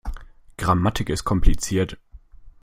Grammatik ist kompliziert.